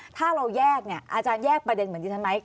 ถ้าเราแยกอาจารย์แยกประเด็นเหมือนนี้ใช่ไหม